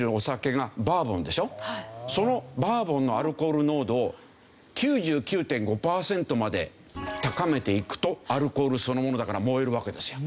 そのバーボンのアルコール濃度を９９．５パーセントまで高めていくとアルコールそのものだから燃えるわけですよ。